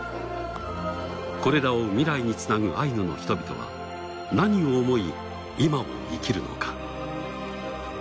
これらを未来につなぐアイヌの人々は何を思い今を生きるのか？